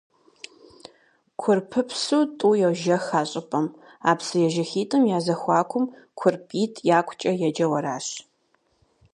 Курпыпсу тӀу йожэх а щӀыпӀэм, а псыежэхитӀым я зэхуакум «КурпитӀ якукӀэ» еджэу аращ.